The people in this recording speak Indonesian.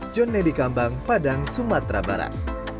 jon nedy kambang padang sumatera barat